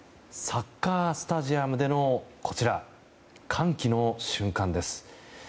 サッカースタジアムでの歓喜の瞬間です。